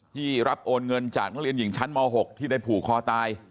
ที่รับโอนเงินจากนักเรียนหญิงชั้นม๖ที่ได้ผูกคอตาย